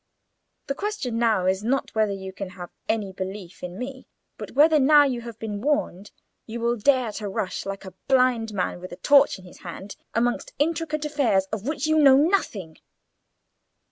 The question now is, not whether you can have any belief in me, but whether, now you have been warned, you will dare to rush, like a blind man with a torch in his hand, amongst intricate affairs of which you know nothing."